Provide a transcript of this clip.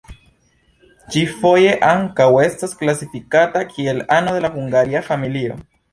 Ĝi foje ankaŭ estas klasifikata kiel ano de la Hungaria familio.